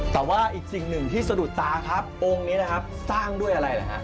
แต่ว่าอีกสิ่งหนึ่งที่สะดุดตาครับองค์นี้นะครับสร้างด้วยอะไรนะฮะ